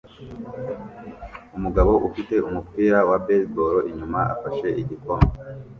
Umugabo ufite umupira wa baseball inyuma afashe igikombe